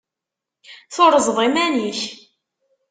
Turzeḍ iman-ik.